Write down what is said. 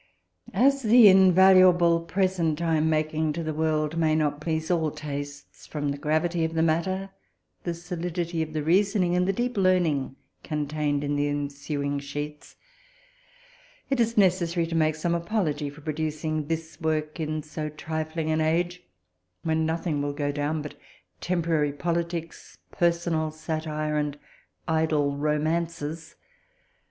As the invaluable present I am making to the world may not please all tastes, from the gravity of the matter, the solidity of the reasoning, and the deep learning contained in the ensuing sheets, it is necessary to make some apology for producing this work in so trifling an age, when nothing will go down but temporary politics, personal satire, and idle romances.